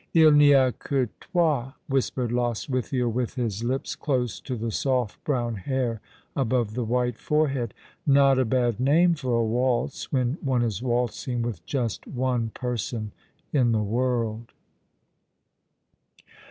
"II n'y a que toi," whispered Lostwithiel, with his lips close to the soft brown hair above the white forehead. " Not a bad name for a waltz when one is waltzing with just one person in the world."